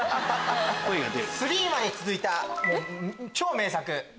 ３まで続いた超名作。